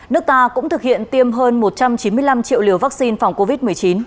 nước ta cũng thực hiện tiêm hơn một trăm chín mươi năm triệu liều vaccine phòng covid một mươi chín